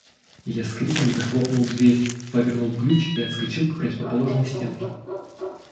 Я с криком захлопнул дверь, повернул ключ и отскочил к противоположной стенке.